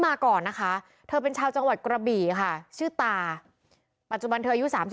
มาก่อนนะคะเธอเป็นชาวจังหวัดกระบี่ค่ะชื่อตาปัจจุบันเธออายุ๓๒